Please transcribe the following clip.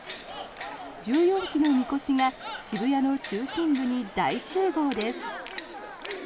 １４基のみこしが渋谷の中心部に大集合です。